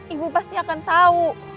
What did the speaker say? ibu pasti akan tahu